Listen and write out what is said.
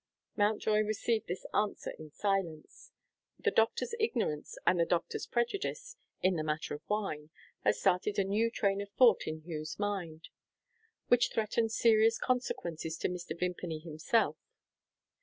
Mountjoy received this answer in silence. The doctor's ignorance and the doctor's prejudice, in the matter of wine, had started a new train of thought in Hugh's mind, which threatened serious consequences to Mr. Vimpany himself.